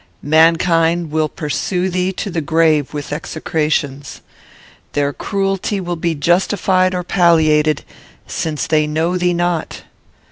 Mankind will pursue thee to the grave with execrations. Their cruelty will be justified or palliated, since they know thee not.